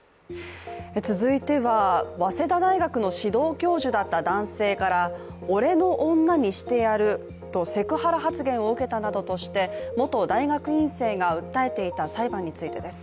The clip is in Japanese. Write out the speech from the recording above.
続いては、早稲田大学の指導教授だった男性から俺の女にしてやると、セクハラ発言を受けたなどとして元大学院生が訴えていた裁判についてです。